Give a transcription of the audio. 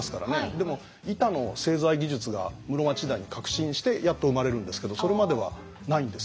でも板の製材技術が室町時代に革新してやっと生まれるんですけどそれまではないんですよ。